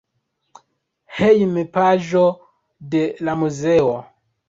Hejmpaĝo de la muzeo.